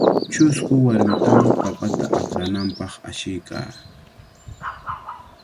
Chusku warmitami papata akrananpaq ashiykaa.